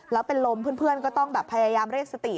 แล้วเป็นลมเพื่อนก็ต้องแบบพยายามเรียกสติ